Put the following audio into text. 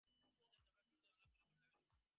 বাতাসের ঝাপটায় সশব্দে জানালার একটি পাল্লা খুলে গেল।